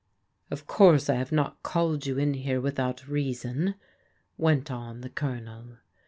" Of course I have not called you in here without rea son," went on the Colonel.